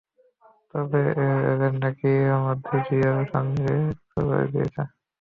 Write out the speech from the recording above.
তবে তাঁর এজেন্ট নাকি এরই মধ্যে রিয়ালের সঙ্গে কথা শুরু করে দিয়েছে।